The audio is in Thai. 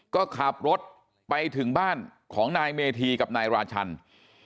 ก็ขับรถไปถึงบ้านของนายเมธีกับนายราชัน